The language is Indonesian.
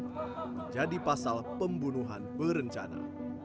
menjadi pasal pembunuhan berencana